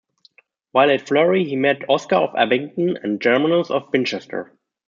While at Fleury he met Osgar of Abingdon and Germanus of Winchester.